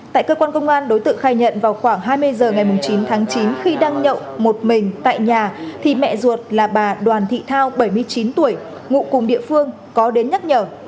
tại cơ quan công an đối tượng khai nhận vào khoảng hai mươi h ngày chín tháng chín khi đang nhậu một mình tại nhà thì mẹ ruột là bà đoàn thị thao bảy mươi chín tuổi ngụ cùng địa phương có đến nhắc nhở